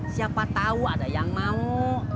siapa tahu ada yang mau